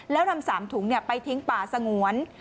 แล้วนำ๓ถุงไปทิ้งป่าสงวน